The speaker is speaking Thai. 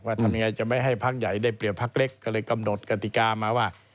ทำยังไงจะไม่ให้พักใหญ่ได้เปรียบพักเล็กก็เลยกำหนดกติกามาว่า